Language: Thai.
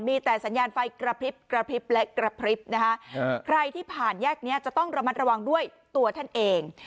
มีแต่สัญญาณไฟกระพริบกระพริบและกระพริบนะคะใครที่ผ่านแยกนี้จะต้องระมัดระวังด้วยตัวท่านเอง